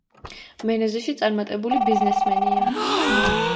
მენეზეში წარმატებული ბიზნესმენია.